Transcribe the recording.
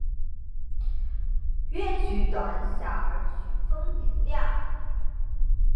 乐曲短小而曲风明亮。